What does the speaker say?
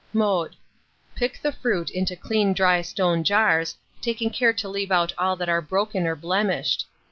Mode. Pick the fruit into clean dry stone jars, taking care to leave out all that are broken or blemished.